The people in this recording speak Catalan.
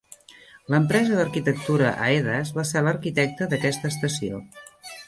L'empresa d'arquitectura Aedas va ser l'arquitecte d'aquesta estació.